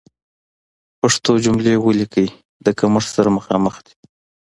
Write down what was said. پښتو جملې وليکئ، د کمښت سره مخامخ دي.